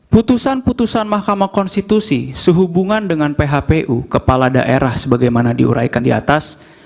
putusan putusan mahkamah konstitusi sehubungan dengan phpu kepala daerah sebagaimana diuraikan di atas